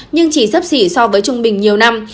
nhưng chỉ sấp xỉ so với trung bình nhiều năm